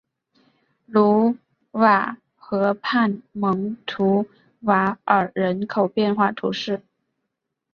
卢瓦河畔蒙图瓦尔人口变化图示